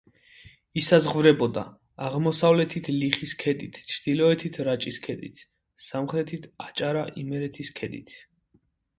ისაზღვრებოდა: აღმოსავლეთით ლიხის ქედით, ჩრდილოეთით რაჭის ქედით, სამხრეთით აჭარა-იმერეთის ქედით.